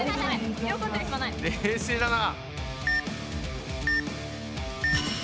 冷静だな。